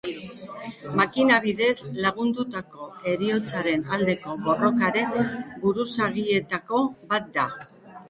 Makina bidez lagundutako heriotzaren aldeko borrokaren buruzagietako bat da.